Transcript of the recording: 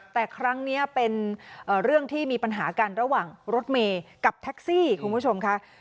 แต่ครั้งนี้เป็นเรื่องที่มีปัญหากันระหว่างรถเมย์กับแท็กซี่คุณผู้ชมค่ะ